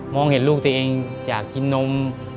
มองเห็นลูกตัวเองจะกินนม